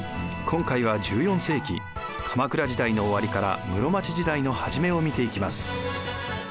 今回は１４世紀鎌倉時代の終わりから室町時代の初めを見ていきます。